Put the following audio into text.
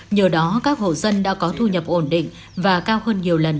nhờ đó các hộ dân đã có thu nhập ổn định và cao hơn nhiều lần